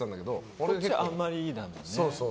こっちはあんまりなんだよね。